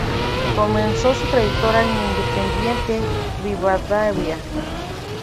Comenzó su trayectoria en Independiente Rivadavia.